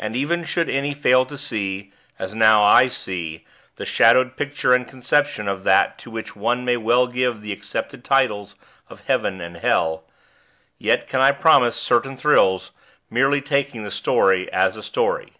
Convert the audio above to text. And even should any fail to see, as now I see, the shadowed picture and conception of that to which one may well give the accepted titles of Heaven and Hell; yet can I promise certain thrills, merely taking the story as a story.